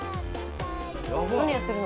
何やってるの？